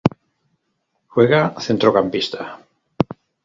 Juega centrocampista.